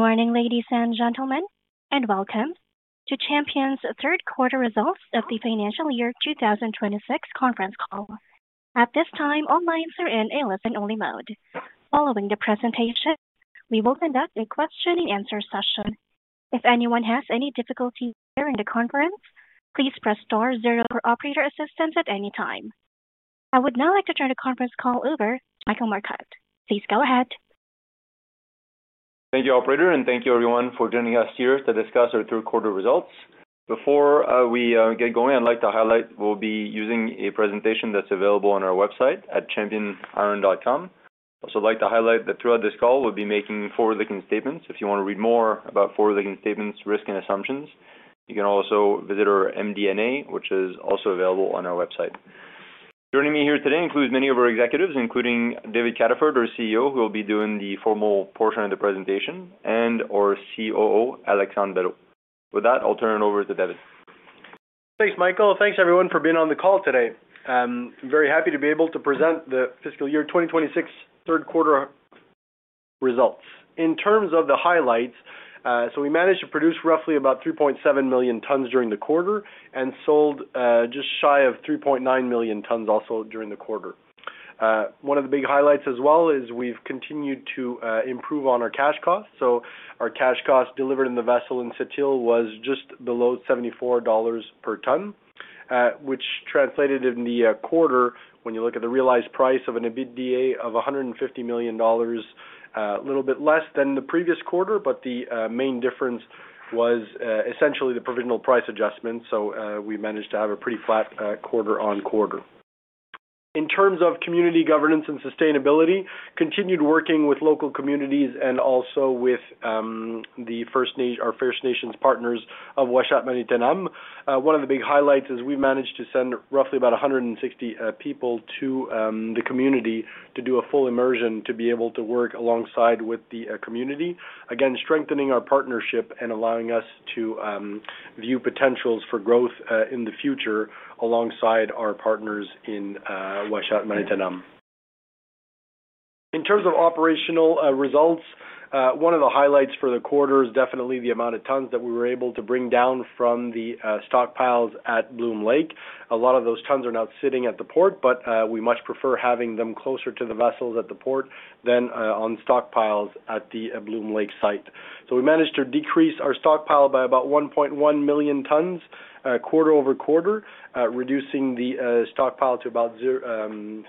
Morning, ladies and gentlemen, and welcome to Champion's third quarter results of the financial year 2026 conference call. At this time, all lines are in a listen-only mode. Following the presentation, we will conduct a question and answer session. If anyone has any difficulty during the conference, please press star zero for operator assistance at any time. I would now like to turn the conference call over to Michael Marcotte. Please go ahead. Thank you, operator, and thank you everyone for joining us here to discuss our third quarter results. Before we get going, I'd like to highlight we'll be using a presentation that's available on our website at championiron.com. Also, I'd like to highlight that throughout this call, we'll be making forward-looking statements. If you want to read more about forward-looking statements, risks and assumptions, you can also visit our MD&A, which is also available on our website. Joining me here today includes many of our executives, including David Cataford, our CEO, who will be doing the formal portion of the presentation, and our COO, Alexandre Belleau. With that, I'll turn it over to David. Thanks, Michael. Thanks, everyone, for being on the call today. I'm very happy to be able to present the fiscal year 2026 third quarter results. In terms of the highlights, so we managed to produce roughly about 3.7 million tons during the quarter and sold, just shy of 3.9 million tons also during the quarter. One of the big highlights as well is we've continued to improve on our cash costs. So our cash cost delivered in the vessel in Sept-Îles was just below $74 per ton, which translated in the quarter when you look at the realized price of an EBITDA of $150 million, a little bit less than the previous quarter, but the main difference was essentially the provisional price adjustment. So, we managed to have a pretty flat quarter-over-quarter. In terms of community governance and sustainability, continued working with local communities and also with our First Nations partners of Uashat mak Mani-utenam. One of the big highlights is we managed to send roughly about 160 people to the community to do a full immersion, to be able to work alongside with the community. Again, strengthening our partnership and allowing us to view potentials for growth in the future alongside our partners in Uashat mak Mani-utenam. In terms of operational results, one of the highlights for the quarter is definitely the amount of tons that we were able to bring down from the stockpiles at Bloom Lake. A lot of those tons are now sitting at the port, but we much prefer having them closer to the vessels at the port than on stockpiles at the Bloom Lake site. So we managed to decrease our stockpile by about 1.1 million tons quarter-over-quarter, reducing the stockpile to about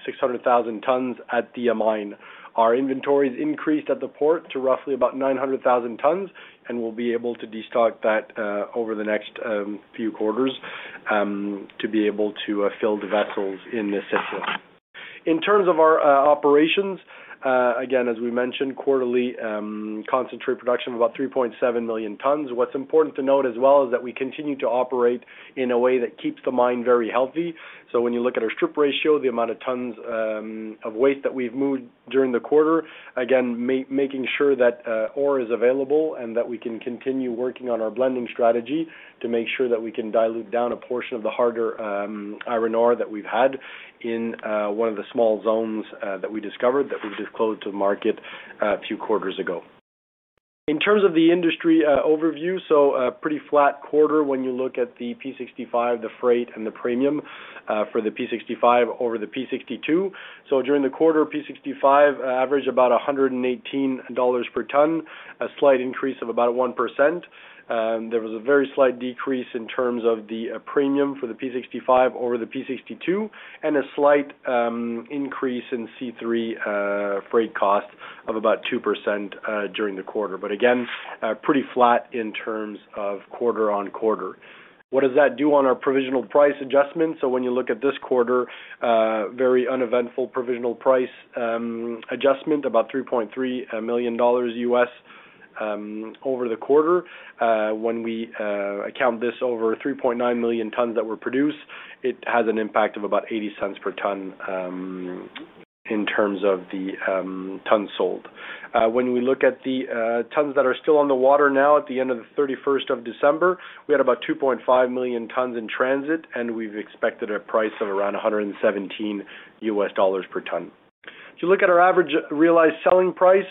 600,000 tons at the mine. Our inventories increased at the port to roughly about 900,000 tons, and we'll be able to destock that over the next few quarters to be able to fill the vessels in this system. In terms of our operations, again, as we mentioned, quarterly concentrate production of about 3.7 million tons. What's important to note as well is that we continue to operate in a way that keeps the mine very healthy. So when you look at our strip ratio, the amount of tons of waste that we've moved during the quarter, again, making sure that ore is available and that we can continue working on our blending strategy to make sure that we can dilute down a portion of the harder iron ore that we've had in one of the small zones that we discovered, that we've disclosed to the market a few quarters ago. In terms of the industry overview, so a pretty flat quarter when you look at the P65, the freight and the premium for the P65 over the P62. So during the quarter, P65 averaged about $118 per ton, a slight increase of about 1%. There was a very slight decrease in terms of the premium for the P65 over the P62, and a slight increase in C3 freight cost of about 2% during the quarter. But again, pretty flat in terms of quarter-on-quarter. What does that do on our provisional price adjustment? So when you look at this quarter, very uneventful provisional price adjustment, about $3.3 million over the quarter. When we account this over 3.9 million tons that were produced, it has an impact of about $0.80 per ton in terms of the tons sold. When we look at the tons that are still on the water now, at the end of the thirty-first of December, we had about 2.5 million tons in transit, and we've expected a price of around $117 per ton. If you look at our average realized selling price,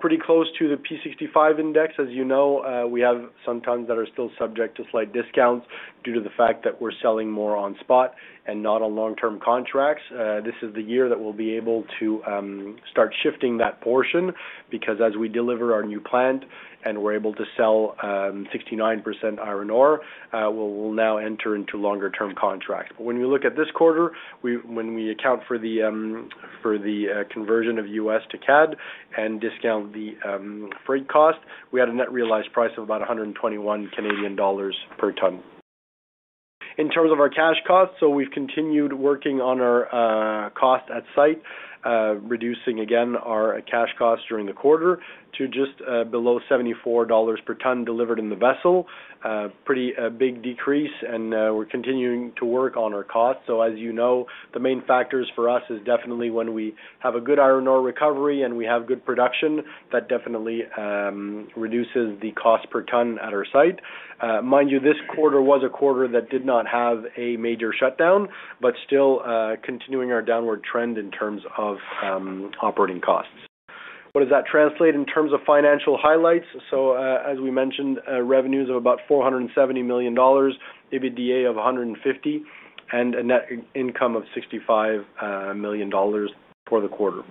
pretty close to the P65 index. As you know, we have some tons that are still subject to slight discounts due to the fact that we're selling more on spot and not on long-term contracts. This is the year that we'll be able to start shifting that portion, because as we deliver our new plant and we're able to sell 69% iron ore, we'll now enter into longer term contracts. But when you look at this quarter, we, when we account for the conversion of USD to CAD and discount the freight cost, we had a net realized price of about 121 Canadian dollars per ton. In terms of our cash costs, we've continued working on our cost at site, reducing again our cash costs during the quarter to just below 74 dollars per ton delivered in the vessel. Pretty big decrease, and we're continuing to work on our costs. So as you know, the main factors for us is definitely when we have a good iron ore recovery and we have good production, that definitely reduces the cost per ton at our site. Mind you, this quarter was a quarter that did not have a major shutdown, but still, continuing our downward trend in terms of operating costs. What does that translate in terms of financial highlights? So, as we mentioned, revenues of about 470 million dollars, EBITDA of 150 million, and a net income of 65 million dollars for the quarter.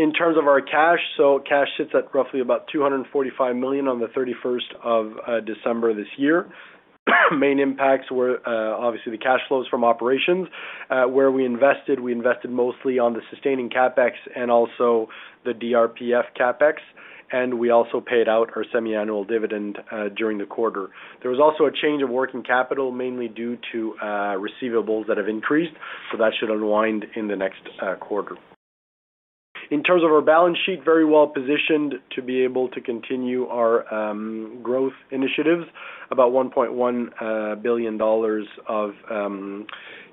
In terms of our cash, so cash sits at roughly 245 million on December 31 this year. Main impacts were obviously the cash flows from operations, where we invested mostly on the Sustaining CapEx and also the DRPF CapEx, and we also paid out our semiannual dividend during the quarter. There was also a change in working capital, mainly due to receivables that have increased, so that should unwind in the next quarter. In terms of our balance sheet, very well positioned to be able to continue our growth initiatives, about $1.1 billion of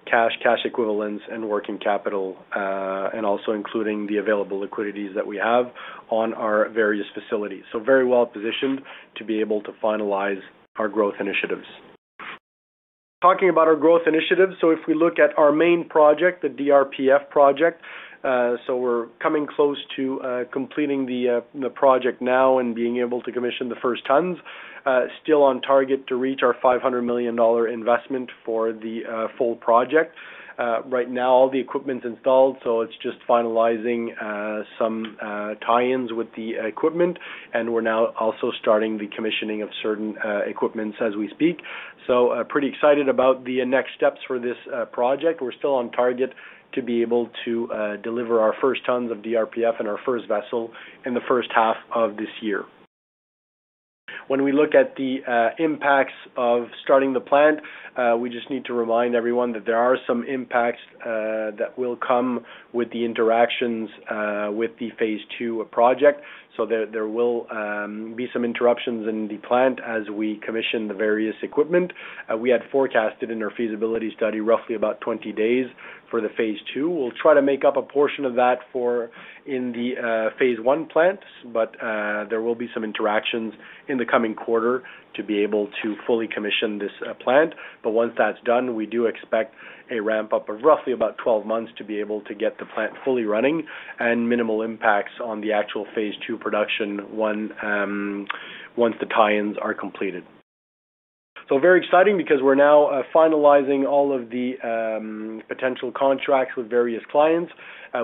cash, cash equivalents, and working capital, and also including the available liquidities that we have on our various facilities. So very well positioned to be able to finalize our growth initiatives. Talking about our growth initiatives, so if we look at our main project, the DRPF project, so we're coming close to completing the project now and being able to commission the first tons. Still on target to reach our $500 million investment for the full project. Right now, all the equipment's installed, so it's just finalizing some tie-ins with the equipment, and we're now also starting the commissioning of certain equipments as we speak. So, pretty excited about the next steps for this project. We're still on target to be able to deliver our first tons of DRPF in our first vessel in the first half of this year. When we look at the impacts of starting the plant, we just need to remind everyone that there are some impacts that will come with the interactions with the phase two project, so there will be some interruptions in the plant as we commission the various equipment. We had forecasted in our feasibility study, roughly about 20 days for the phase two. We'll try to make up a portion of that for in the phase one plants, but there will be some interactions in the coming quarter to be able to fully commission this plant. But once that's done, we do expect a ramp-up of roughly about 12 months to be able to get the plant fully running and minimal impacts on the actual phase two production once the tie-ins are completed. So very exciting because we're now finalizing all of the potential contracts with various clients.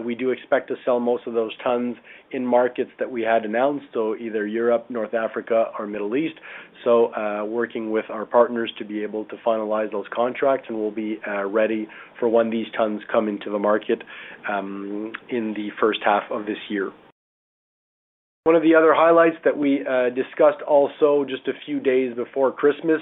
We do expect to sell most of those tons in markets that we had announced, so either Europe, North Africa, or Middle East. So working with our partners to be able to finalize those contracts, and we'll be ready for when these tons come into the market in the first half of this year. One of the other highlights that we discussed also just a few days before Christmas was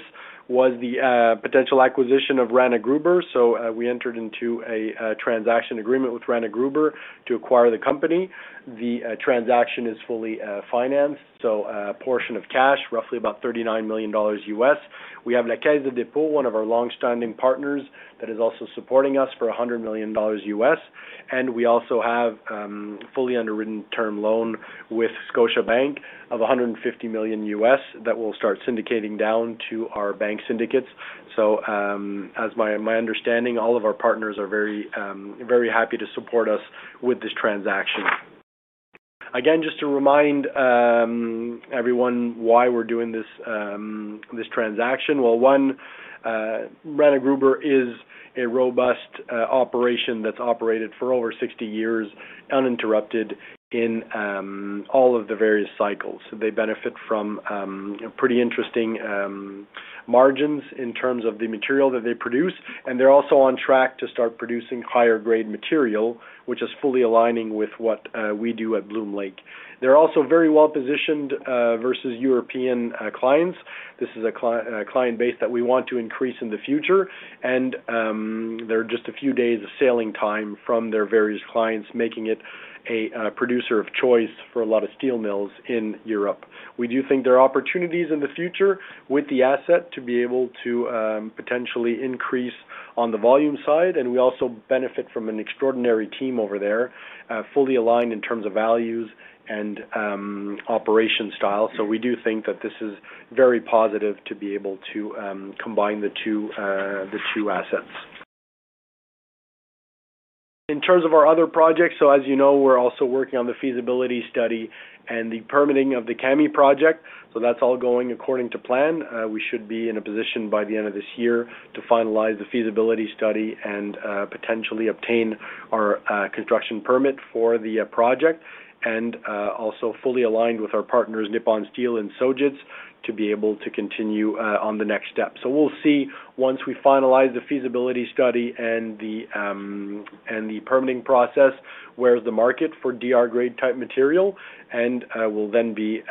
the potential acquisition of Rana Gruber. So, we entered into a transaction agreement with Rana Gruber to acquire the company. The transaction is fully financed, so a portion of cash, roughly about $39 million. We have La Caisse de dépôt, one of our long-standing partners, that is also supporting us for $100 million, and we also have fully underwritten term loan with Scotiabank of $150 million, that will start syndicating down to our bank syndicates. So, as my understanding, all of our partners are very happy to support us with this transaction. Again, just to remind everyone why we're doing this, this transaction. Well, one, Rena Gruber is a robust operation that's operated for over 60 years, uninterrupted in all of the various cycles. They benefit from pretty interesting margins in terms of the material that they produce, and they're also on track to start producing higher-grade material, which is fully aligning with what we do at Bloom Lake. They're also very well positioned versus European clients. This is a client base that we want to increase in the future, and they're just a few days of sailing time from their various clients, making it a producer of choice for a lot of steel mills in Europe. We do think there are opportunities in the future with the asset to be able to potentially increase on the volume side, and we also benefit from an extraordinary team over there, fully aligned in terms of values and operation style. We do think that this is very positive to be able to combine the two, the two assets. In terms of our other projects, as you know, we're also working on the feasibility study and the permitting of the Kami project, so that's all going according to plan. We should be in a position by the end of this year to finalize the feasibility study and potentially obtain our construction permit for the project, and also fully aligned with our partners, Nippon Steel and Sojitz, to be able to continue on the next step. So we'll see, once we finalize the feasibility study and the, and the permitting process, where's the market for DR grade-type material, and, we'll then be,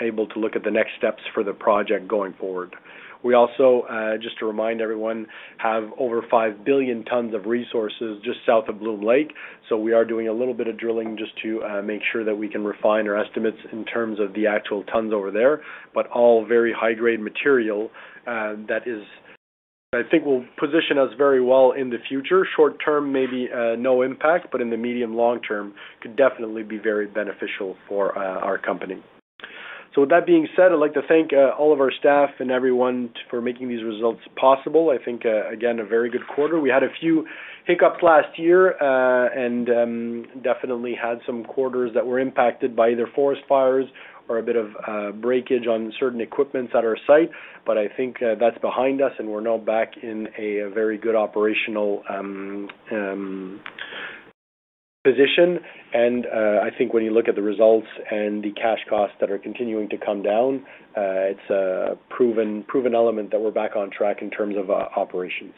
able to look at the next steps for the project going forward. We also, just to remind everyone, have over 5 billion tons of resources just south of Bloom Lake, so we are doing a little bit of drilling just to, make sure that we can refine our estimates in terms of the actual tons over there, but all very high-grade material, I think will position us very well in the future. Short term, maybe, no impact, but in the medium long term, could definitely be very beneficial for, our company. So with that being said, I'd like to thank, all of our staff and everyone for making these results possible. I think, again, a very good quarter. We had a few hiccups last year, and definitely had some quarters that were impacted by either forest fires or a bit of breakage on certain equipments at our site. But I think that's behind us, and we're now back in a very good operational position. I think when you look at the results and the cash costs that are continuing to come down, it's a proven element that we're back on track in terms of operations.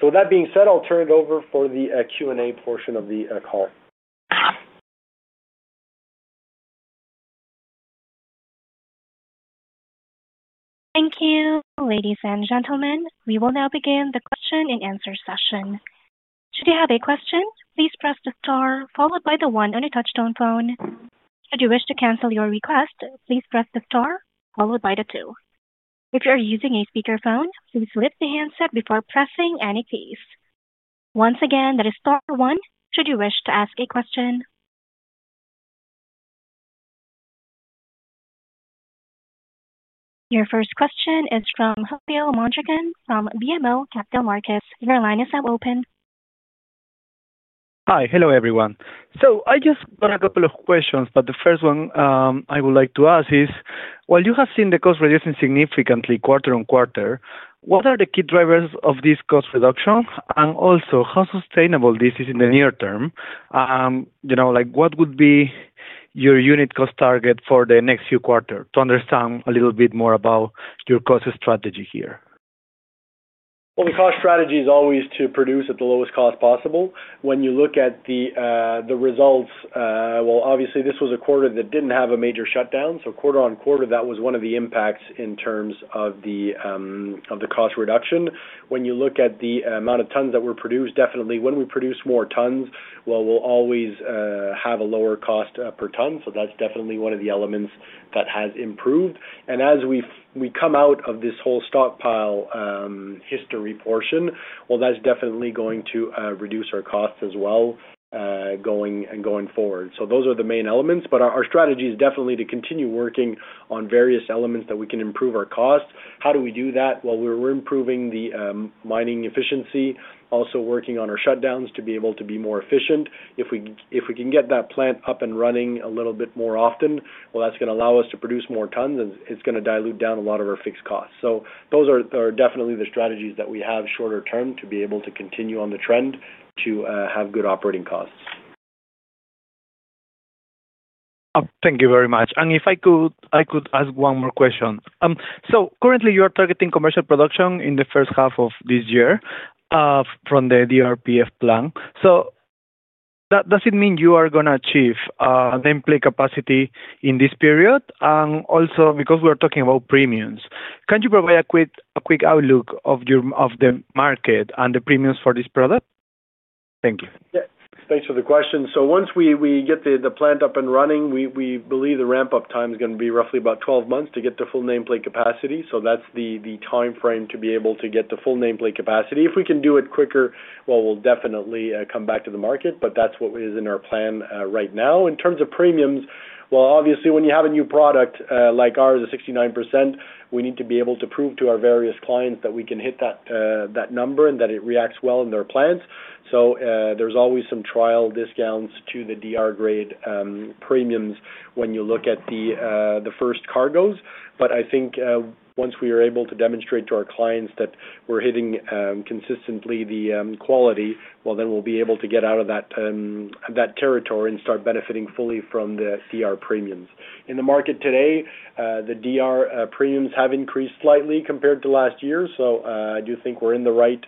So with that being said, I'll turn it over for the Q&A portion of the call. Thank you, ladies and gentlemen. We will now begin the question and answer session. Should you have a question, please press the star followed by the one on a touch-tone phone. If you wish to cancel your request, please press the star followed by the two. If you are using a speakerphone, please lift the handset before pressing any keys. Once again, that is star one should you wish to ask a question. Your first question is from Javier Mondragon from BMO Capital Markets. Your line is now open. Hi. Hello, everyone. So I just got a couple of questions, but the first one, I would like to ask is, while you have seen the cost reducing significantly quarter on quarter, what are the key drivers of this cost reduction? And also, how sustainable this is in the near term? You know, like, what would be your unit cost target for the next few quarter, to understand a little bit more about your cost strategy here? Well, the cost strategy is always to produce at the lowest cost possible. When you look at the results, well, obviously, this was a quarter that didn't have a major shutdown. So quarter on quarter, that was one of the impacts in terms of the cost reduction. When you look at the amount of tons that were produced, definitely when we produce more tons, well, we'll always have a lower cost per ton. So that's definitely one of the elements that has improved. And as we come out of this whole stockpile history portion, well, that's definitely going to reduce our costs as well, going and going forward. So those are the main elements. But our strategy is definitely to continue working on various elements that we can improve our costs. How do we do that? Well, we're improving the mining efficiency, also working on our shutdowns to be able to be more efficient. If we can get that plant up and running a little bit more often, well, that's gonna allow us to produce more tons, and it's gonna dilute down a lot of our fixed costs. So those are definitely the strategies that we have shorter term, to be able to continue on the trend to have good operating costs. Thank you very much. And if I could, I could ask one more question. So currently, you are targeting commercial production in the first half of this year, from the DRPF plant. So does, does it mean you are gonna achieve nameplate capacity in this period? And also, because we are talking about premiums, can you provide a quick, a quick outlook of your, of the market and the premiums for this product? Thank you. Yeah. Thanks for the question. So once we get the plant up and running, we believe the ramp-up time is gonna be roughly about 12 months to get to full nameplate capacity. So that's the timeframe to be able to get to full nameplate capacity. If we can do it quicker, well, we'll definitely come back to the market, but that's what is in our plan right now. In terms of premiums, well, obviously, when you have a new product like ours, the 69%, we need to be able to prove to our various clients that we can hit that number and that it reacts well in their plants. So, there's always some trial discounts to the DR grade premiums when you look at the first cargoes. But I think, once we are able to demonstrate to our clients that we're hitting consistently the quality, well, then we'll be able to get out of that territory and start benefiting fully from the DR premiums. In the market today, the DR premiums have increased slightly compared to last year, so, I do think we're in the right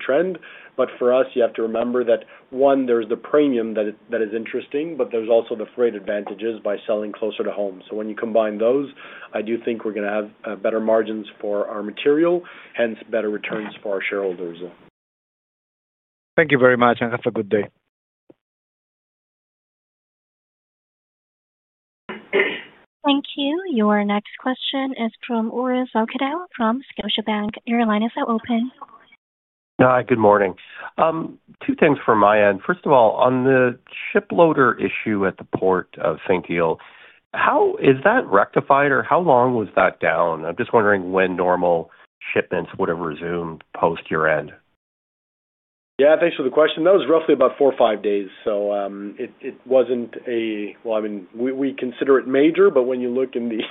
trend. But for us, you have to remember that, one, there's the premium that is interesting, but there's also the freight advantages by selling closer to home. So when you combine those, I do think we're gonna have better margins for our material, hence better returns for our shareholders. Thank you very much, and have a good day. Thank you. Your next question is from Orest Wowkodaw from Scotiabank. Your line is now open. Hi, good morning. Two things from my end. First of all, on the ship loader issue at the Port of Sept-Îles, how is that rectified, or how long was that down? I'm just wondering when normal shipments would have resumed post your end. Yeah, thanks for the question. That was roughly about four or five days. So, it wasn't a-- Well, I mean, we consider it major, but when you look in the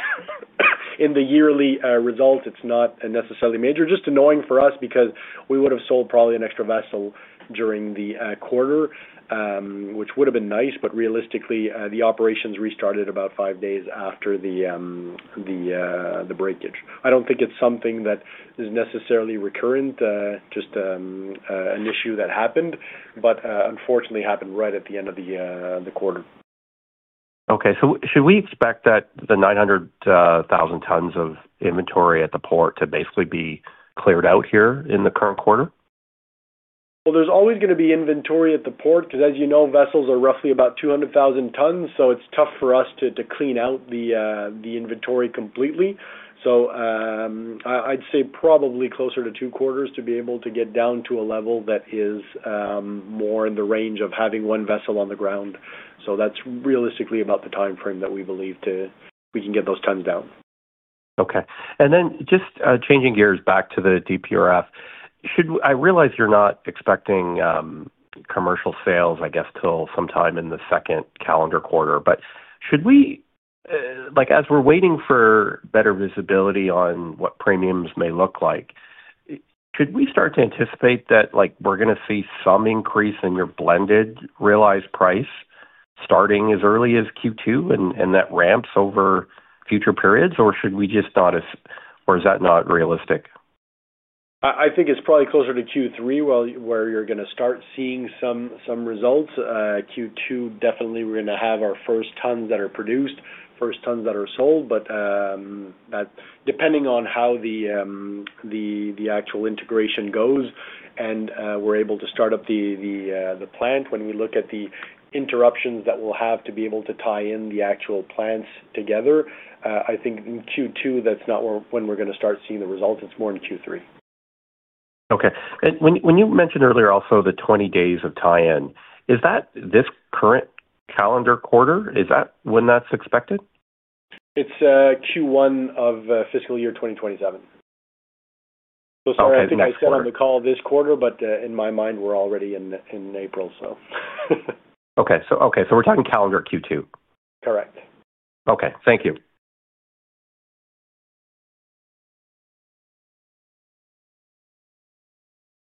yearly results, it's not necessarily major. Just annoying for us because we would have sold probably an extra vessel during the quarter, which would have been nice. But realistically, the operations restarted about five days after the breakage. I don't think it's something that is necessarily recurrent, just an issue that happened, but unfortunately, happened right at the end of the quarter. Okay. So should we expect that the 900,000 tons of inventory at the port to basically be cleared out here in the current quarter?... Well, there's always gonna be inventory at the port, 'cause as you know, vessels are roughly about 200,000 tons, so it's tough for us to clean out the inventory completely. So, I'd say probably closer to two quarters to be able to get down to a level that is more in the range of having one vessel on the ground. So that's realistically about the timeframe that we believe to, we can get those tons down. Okay. And then just changing gears back to the DRPF, should I realize you're not expecting commercial sales, I guess, till sometime in the second calendar quarter. But should we, like, as we're waiting for better visibility on what premiums may look like, should we start to anticipate that, like, we're gonna see some increase in your blended realized price starting as early as Q2, and that ramps over future periods? Or should we just not, or is that not realistic? I think it's probably closer to Q3, well, where you're gonna start seeing some results. Q2, definitely we're gonna have our first tons that are produced, first tons that are sold. But that, depending on how the actual integration goes, and we're able to start up the plant. When we look at the interruptions that we'll have to be able to tie in the actual plants together, I think in Q2, that's not where, when we're gonna start seeing the results. It's more in Q3. Okay. And when, when you mentioned earlier also the 20 days of tie-in, is that this current calendar quarter? Is that when that's expected? It's Q1 of fiscal year 2027. Okay, next quarter. So sorry, I think I said on the call this quarter, but in my mind, we're already in April, so. Okay, so we're talking calendar Q2. Correct. Okay. Thank you.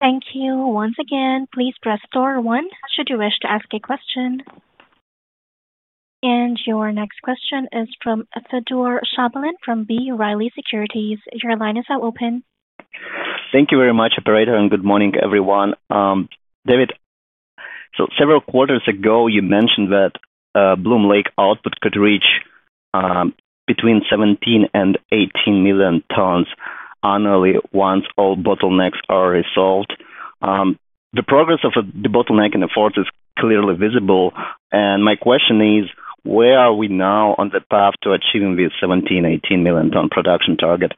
Thank you. Once again, please press star one should you wish to ask a question. Your next question is from Fedor Shabalin from B. Riley Securities. Your line is now open. Thank you very much, operator, and good morning, everyone. David, so several quarters ago, you mentioned that Bloom Lake output could reach between 17 and 18 million tons annually once all bottlenecks are resolved. The progress of the bottleneck in the port is clearly visible, and my question is: where are we now on the path to achieving this 17-18 million ton production target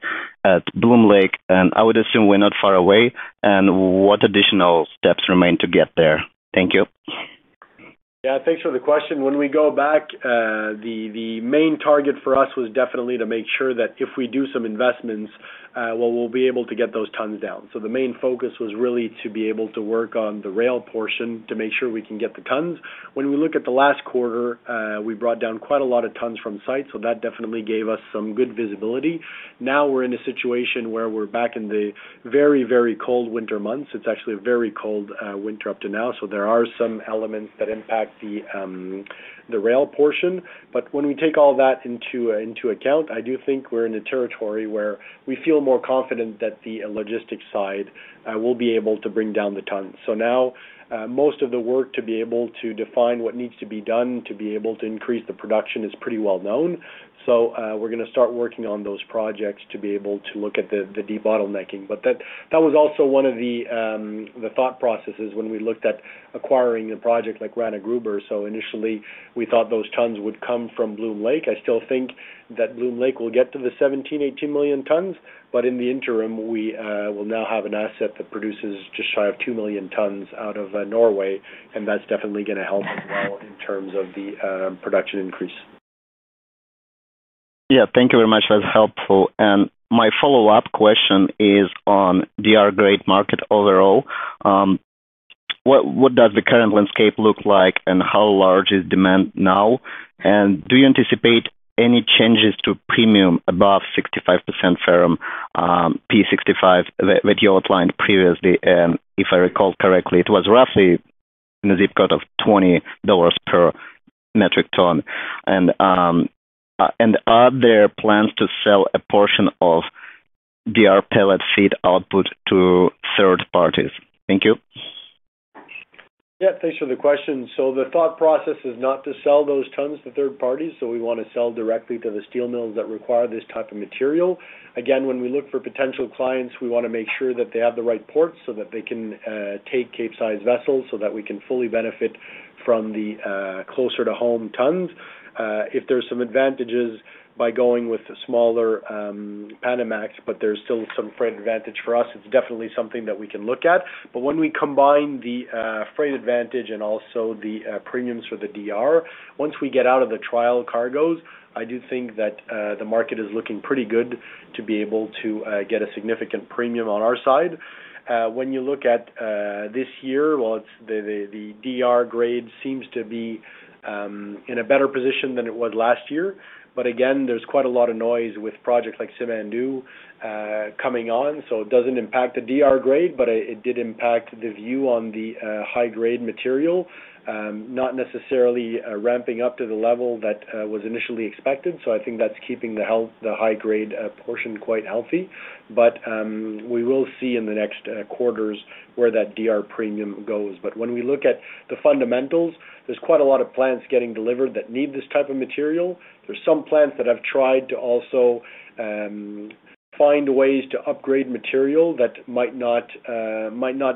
at Bloom Lake? And I would assume we're not far away. And what additional steps remain to get there? Thank you. Yeah, thanks for the question. When we go back, the main target for us was definitely to make sure that if we do some investments, well, we'll be able to get those tons down. So the main focus was really to be able to work on the rail portion to make sure we can get the tons. When we look at the last quarter, we brought down quite a lot of tons from site, so that definitely gave us some good visibility. Now, we're in a situation where we're back in the very, very cold winter months. It's actually a very cold winter up to now, so there are some elements that impact the rail portion. But when we take all that into account, I do think we're in a territory where we feel more confident that the logistics side will be able to bring down the tons. So now, most of the work to be able to define what needs to be done to be able to increase the production is pretty well known. So, we're gonna start working on those projects to be able to look at the debottlenecking. But that was also one of the thought processes when we looked at acquiring a project like Rana Gruber. So initially, we thought those tons would come from Bloom Lake. I still think that Bloom Lake will get to the 17-18 million tons, but in the interim, we will now have an asset that produces just shy of two million tons out of Norway, and that's definitely gonna help as well in terms of the production increase. Yeah. Thank you very much. That's helpful. And my follow-up question is on DR grade market overall. What does the current landscape look like and how large is demand now? And do you anticipate any changes to premium above 65% ferrum, P65, that you outlined previously? And if I recall correctly, it was roughly in the zip code of $20 per metric ton. And are there plans to sell a portion of DR pellet feed output to third parties? Thank you. Yeah, thanks for the question. So the thought process is not to sell those tons to third parties, so we wanna sell directly to the steel mills that require this type of material. Again, when we look for potential clients, we wanna make sure that they have the right ports so that they can take Cape-size vessels, so that we can fully benefit from the closer to home tons. If there's some advantages by going with the smaller Panamax, but there's still some freight advantage for us, it's definitely something that we can look at. But when we combine the freight advantage and also the premiums for the DR, once we get out of the trial cargoes, I do think that the market is looking pretty good to be able to get a significant premium on our side. When you look at this year, well, it's the DR grade seems to be in a better position than it was last year. But again, there's quite a lot of noise with projects like Simandou coming on, so it doesn't impact the DR grade, but it did impact the view on the high-grade material. Not necessarily ramping up to the level that was initially expected, so I think that's keeping the high grade portion quite healthy. But we will see in the next quarters where that DR premium goes. But when we look at the fundamentals, there's quite a lot of plants getting delivered that need this type of material. There's some plants that have tried to also find ways to upgrade material that might not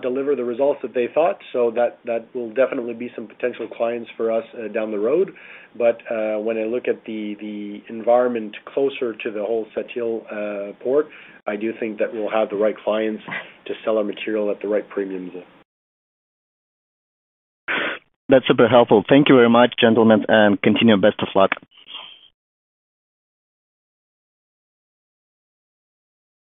deliver the results that they thought, so that will definitely be some potential clients for us down the road. But when I look at the environment closer to the whole Sept-Îles port, I do think that we'll have the right clients to sell our material at the right premiums.... That's super helpful. Thank you very much, gentlemen, and continue. Best of luck.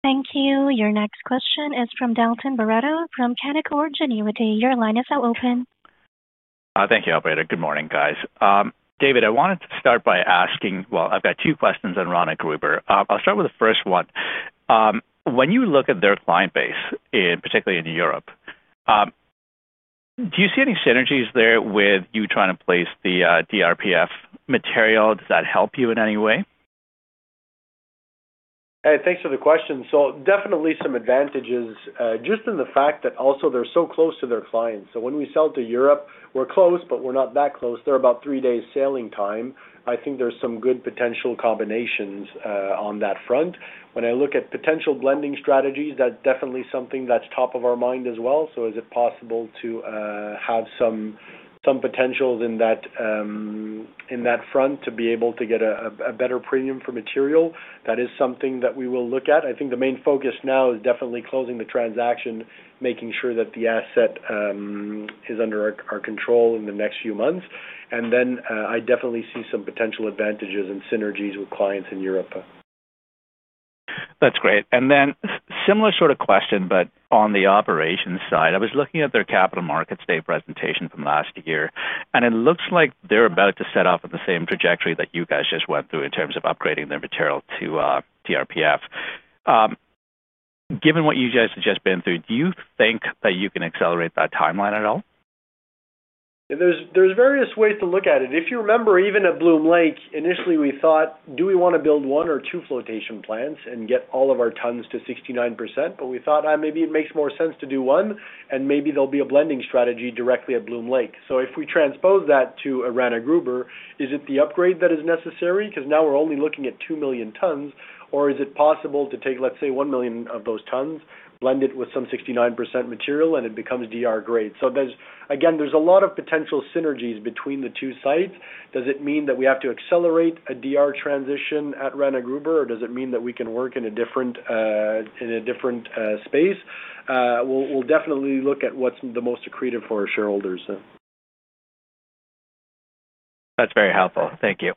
Thank you. Your next question is from Dalton Barretto from Canaccord Genuity. Your line is now open. Thank you, operator. Good morning, guys. David, I wanted to start by asking... Well, I've got two questions on Rana Gruber. I'll start with the first one. When you look at their client base, in particular in Europe, do you see any synergies there with you trying to place the DRPF material? Does that help you in any way? Hey, thanks for the question. So definitely some advantages, just in the fact that also they're so close to their clients. So when we sell to Europe, we're close, but we're not that close. They're about three days sailing time. I think there's some good potential combinations, on that front. When I look at potential blending strategies, that's definitely something that's top of our mind as well. So is it possible to, have some, some potentials in that, in that front, to be able to get a, a, a better premium for material? That is something that we will look at. I think the main focus now is definitely closing the transaction, making sure that the asset, is under our, our control in the next few months. And then, I definitely see some potential advantages and synergies with clients in Europe. That's great. Similar sort of question, but on the operations side, I was looking at their capital markets day presentation from last year, and it looks like they're about to set off on the same trajectory that you guys just went through in terms of upgrading their material to DRPF. Given what you guys have just been through, do you think that you can accelerate that timeline at all? There's various ways to look at it. If you remember, even at Bloom Lake, initially, we thought, "Do we want to build one or two flotation plants and get all of our tons to 69%?" But we thought, "Maybe it makes more sense to do one, and maybe there'll be a blending strategy directly at Bloom Lake." So if we transpose that to Rana Gruber, is it the upgrade that is necessary? Because now we're only looking at 2 million tons. Or is it possible to take, let's say, 1 million of those tons, blend it with some 69% material, and it becomes DR grade? So there's, again, a lot of potential synergies between the two sites. Does it mean that we have to accelerate a DR transition at Rana Gruber, or does it mean that we can work in a different space? We'll definitely look at what's the most accretive for our shareholders. That's very helpful. Thank you.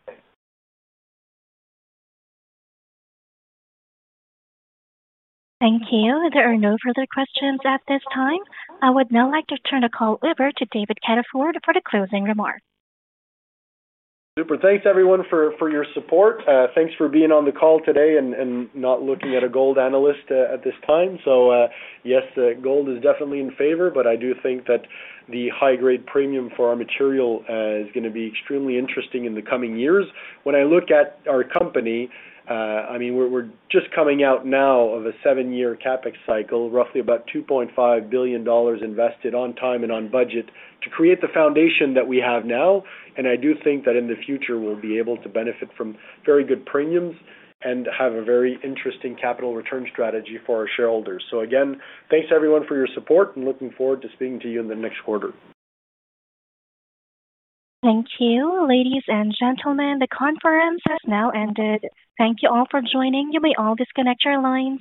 Thank you. There are no further questions at this time. I would now like to turn the call over to David Cataford for the closing remarks. Super. Thanks, everyone, for your support. Thanks for being on the call today and not looking at a gold analyst at this time. So, yes, gold is definitely in favor, but I do think that the high-grade premium for our material is gonna be extremely interesting in the coming years. When I look at our company, I mean, we're just coming out now of a seven-year CapEx cycle, roughly about $2.5 billion invested on time and on budget, to create the foundation that we have now. And I do think that in the future, we'll be able to benefit from very good premiums and have a very interesting capital return strategy for our shareholders. So again, thanks, everyone, for your support and looking forward to speaking to you in the next quarter. Thank you. Ladies and gentlemen, the conference has now ended. Thank you all for joining. You may all disconnect your lines.